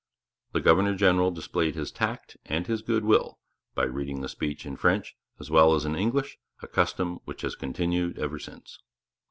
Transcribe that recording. The governor general displayed his tact and his goodwill by reading the Speech in French as well as in English, a custom which has continued ever since.